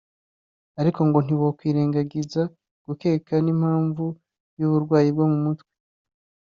ariko ngo ntibokwirengagiza gukeka n'impamvu y'uburwayi bwo mumutwe